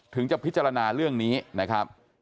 ถึงจะพิจารณาเรื่องนี้นะครับ